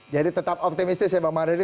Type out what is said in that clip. jadi tetap optimistis ya bang mardani